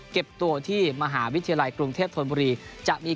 เก็บตัวที่มหาวิทยาลัยกรุงเทพธนบุรีจะมี